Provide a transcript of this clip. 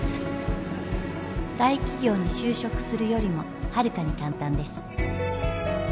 大企業に就職するよりもはるかに簡単です